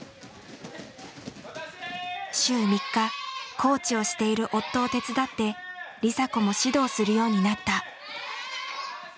週３日コーチをしている夫を手伝って梨紗子も指導するようになった。